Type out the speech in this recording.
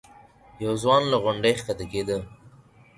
یو ځوان له غونډۍ ښکته کېده.